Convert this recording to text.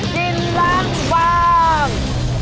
กินล้างบาง